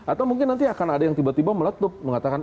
atau mungkin nanti akan ada yang tiba tiba meletup mengatakan